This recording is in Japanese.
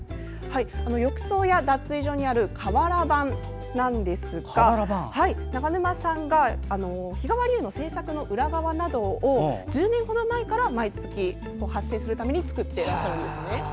浴槽や脱衣所にある瓦版ですが長沼さんが日替わり湯の制作の裏側などを１０年ほど前から毎月発信するために作ってらっしゃいます。